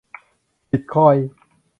บิตคอยน์